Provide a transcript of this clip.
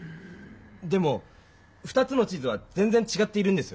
でも２つの地図は全ぜんちがっているんですよ。